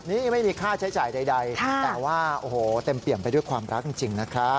นี่ไม่มีค่าใช้จ่ายใดแต่ว่าโอ้โหเต็มเปี่ยมไปด้วยความรักจริงนะครับ